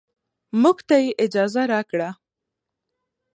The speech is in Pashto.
موږ ته يې اجازه راکړه.